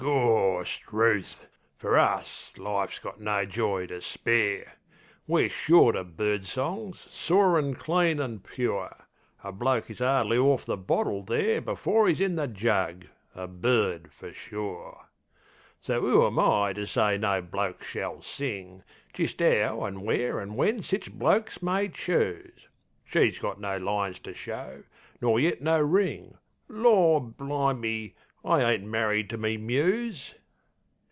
Gawstruth! fer us life's got no joy to spare, We're short uv bird songs, "soarin' clean an' pure." A bloke is 'ardly orf the bottle there Before 'e's in the jug a bird fer sure. So 'oo am I to say no blokes shall sing Jist 'ow an' where an' when sich blokes may choose? She's got no lines to show, nor yet no ring. Lor' blim'me! I ain't married to me Muse!